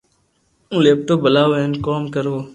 ھون ليپ ٽاپ ھلاو ھين ڪوم ڪرو